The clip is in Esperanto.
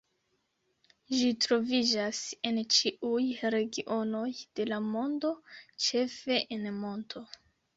Ĝi troviĝas en ĉiuj regionoj de la mondo, ĉefe en monto.